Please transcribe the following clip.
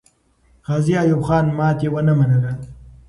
غازي ایوب خان ماتې ونه منله.